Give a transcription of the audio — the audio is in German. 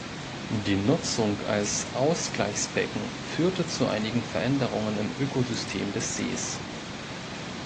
Die Nutzung als Ausgleichsbecken führte zu einigen Veränderungen im Ökosystem des Sees.